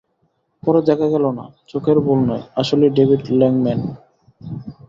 পরে দেখা গেল-না, চোখের ভুল নয়, আসলেই ডেভিড ল্যাংম্যান।